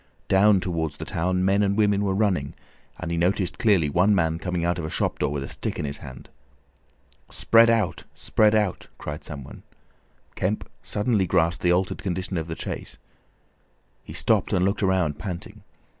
Down towards the town, men and women were running, and he noticed clearly one man coming out of a shop door with a stick in his hand. "Spread out! Spread out!" cried some one. Kemp suddenly grasped the altered condition of the chase. He stopped, and looked round, panting.